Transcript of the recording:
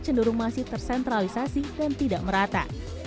cenderung masih tersentralisasi dan tidak merata